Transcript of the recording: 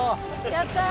やった。